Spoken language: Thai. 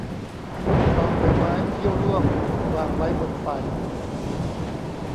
กองใบไม้ที่ร่วงถูกวางไว้บนไฟ